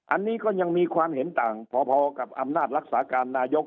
อันนี้ก็ยังมีความเห็นต่างพอกับอำนาจรักษาการนายก